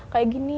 kayak gitu ya